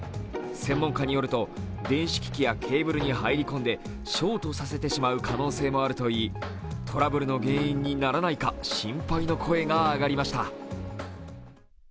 専門家によると電子機器やケーブルに入り込んでショートさせてしまう可能性もあるといい、トラブルの原因にならないか心配の声が上がりました。